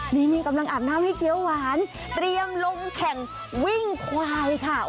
นี่กำลังอาบน้ำให้เจี๊ยวหวานเตรียมลงแข่งวิ่งควายค่ะ